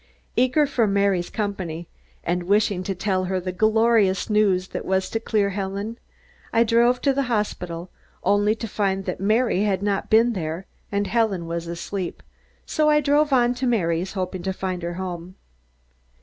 Eager for Mary's company, and wishing to tell her the glorious news that was to clear Helen, I drove to the hospital, only to find that Mary had not been there and Helen was asleep; so I drove on to Mary's, hoping to find her home.